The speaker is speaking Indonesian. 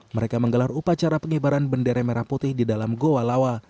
mereka menggelar upacara pengibaran bendera merah putih di dalam goa lawa